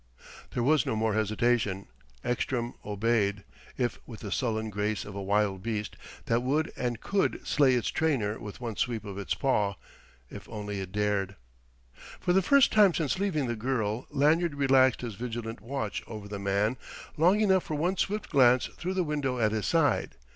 There was no more hesitation: Ekstrom obeyed, if with the sullen grace of a wild beast that would and could slay its trainer with one sweep of its paw if only it dared. For the first time since leaving the girl Lanyard relaxed his vigilant watch over the man long enough for one swift glance through the window at his side.